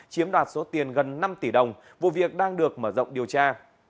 chiếm đoạt số tiền gần năm tỷ đồng vụ việc đang được mở rộng điều tra